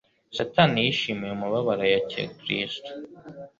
Satani yishimiye umubabaro yatcye Kristo,